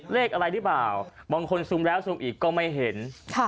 เลขอะไรหรือเปล่าบางคนซุมแล้วซูมอีกก็ไม่เห็น